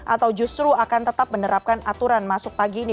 atau justru akan tetap menerapkan aturan masuk pagi ini